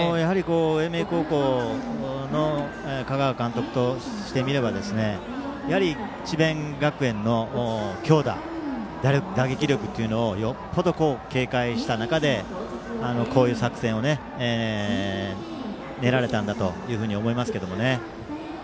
英明高校の香川監督としてみれば智弁学園の強打、打撃力をよっぽど警戒した中でこういう作戦を練られたんだと思います。